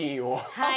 はい。